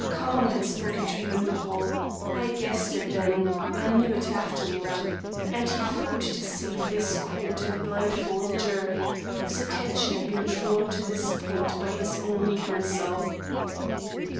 Carmel had spoken to him in the hall I guessed it then, I knew it afterward and he thought to deceive this court and blindfold a jury, whose attention had been drawn to this point by his own counsel.